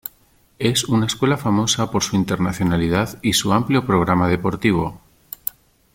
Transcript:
Es una escuela famosa por su internacionalidad y su amplio programa deportivo.